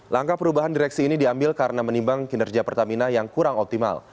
langkah perubahan direksi ini diambil karena menimbang kinerja pertamina yang kurang optimal